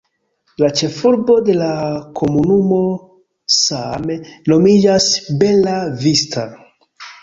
La ĉefurbo de la komunumo same nomiĝas Bella Vista.